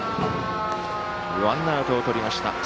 ワンアウトをとりました。